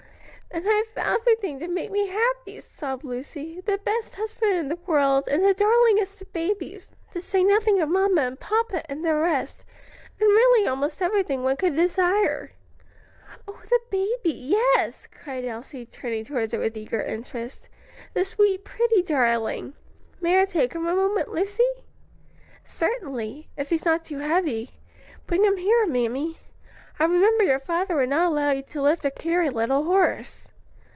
"And I've everything to make me happy," sobbed Lucy "the best husband in the world, and the darlingest of babies, to say nothing of mamma and papa, and the rest, and really almost everything one could desire." "Oh, the baby, yes!" cried Elsie, turning towards it with eager interest; "the sweet, pretty darling. May I take him a moment, Lucy?" "Certainly, if he's not too heavy bring him here, mammy. I remember your father would not allow you to lift or carry little Horace."